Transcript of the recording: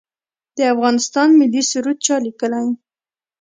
د افغانستان ملي سرود چا لیکلی؟